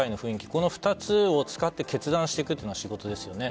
この２つを使って決断していくというのが仕事ですよね。